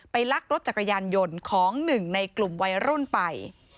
ลักรถจักรยานยนต์ของหนึ่งในกลุ่มวัยรุ่นไป